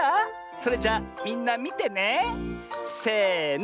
それじゃみんなみてね！せの。